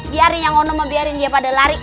biarin yang ono mau biarin dia pada lari